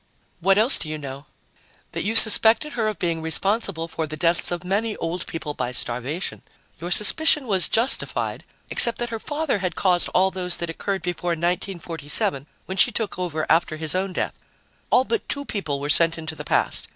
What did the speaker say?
"What else do you know?" "That you suspected her of being responsible for the deaths of many old people by starvation. Your suspicion was justified, except that her father had caused all those that occurred before 1947, when she took over after his own death. All but two people were sent into the past.